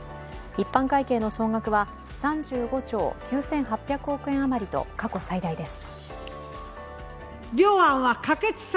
一般会計の総額は３５兆９８００億円余りと過去最大です。